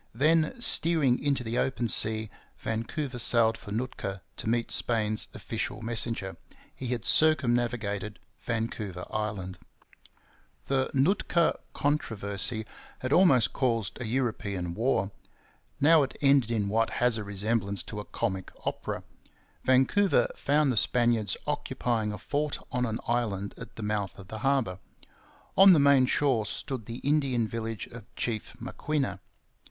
Then, steering into the open sea, Vancouver sailed for Nootka to meet Spain's official messenger. He had circumnavigated Vancouver Island. [Illustration: Callicum and Maquinna, Chiefs of Nootka Sound. From Meares's Voyages.] The Nootka controversy had almost caused a European war. Now it ended in what has a resemblance to a comic opera. Vancouver found the Spaniards occupying a fort on an island at the mouth of the harbour. On the main shore stood the Indian village of Chief Maquinna.